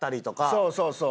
そうそうそう。